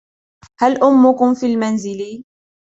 هل أمكم في المنزل ؟